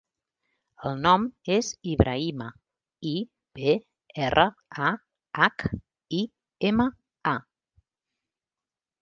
El nom és Ibrahima: i, be, erra, a, hac, i, ema, a.